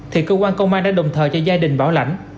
thì cơ quan công an đã đồng thời cho gia đình bảo lãnh